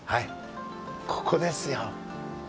ここですよ。